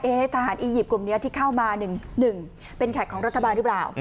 โอเคทหานอียิปต์กลุ่มนี้ที่เข้ามาหนึ่งเป็นแขกของรัฐบาลรึเปล่า